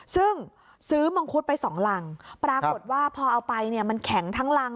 ซึ่งซื้อมังคุดไปสองรังปรากฏว่าพอเอาไปเนี่ยมันแข็งทั้งรัง